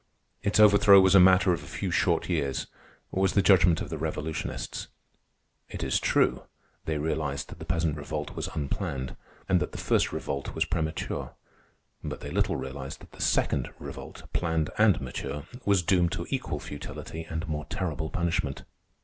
Its overthrow was a matter of a few short years, was the judgment of the revolutionists. It is true, they realized that the Peasant Revolt was unplanned, and that the First Revolt was premature; but they little realized that the Second Revolt, planned and mature, was doomed to equal futility and more terrible punishment.